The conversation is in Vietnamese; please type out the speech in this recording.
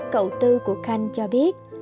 cậu tư của khanh cho biết